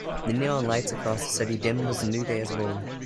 The neon lights across the city dimmed as a new day is born.